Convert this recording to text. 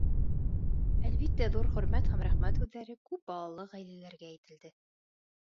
Әлбиттә, ҙур хөрмәт һәм рәхмәт һүҙҙәре күп балалы ғаиләләргә әйтелде.